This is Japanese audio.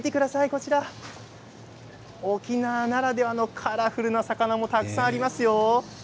こちら沖縄ならではのカラフルな魚もたくさんありますよ。